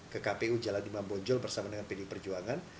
ke kpu jaladima bonjol bersama dengan pdip perjuangan